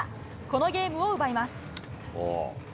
このゲームを奪います。